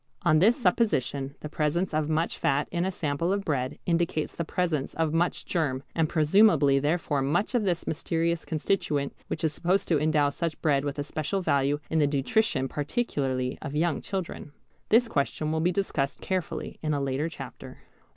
On this supposition the presence of much fat in a sample of bread indicates the presence of much germ, and presumably therefore much of this mysterious constituent which is supposed to endow such bread with a special value in the nutrition particularly of young children. This question will be discussed carefully in a later chapter.